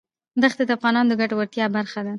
ښتې د افغانانو د ګټورتیا برخه ده.